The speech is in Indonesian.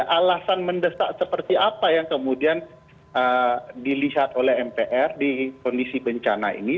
alasan mendesak seperti apa yang kemudian dilihat oleh mpr di kondisi bencana ini